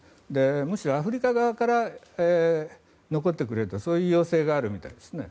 むしろアフリカ側から残ってくれとそういう要請があるみたいですね。